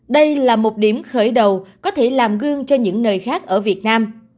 đây là một điểm khởi đầu có thể làm gương cho những nơi khác ở việt nam